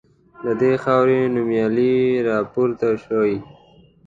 له دې خاوري نومیالي راپورته سوي